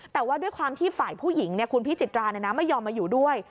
แต่ว่าด้วยความที่ฝ่ายผู้หญิงคุณพิจิตราไม่ยอมมาอยู่ด้วย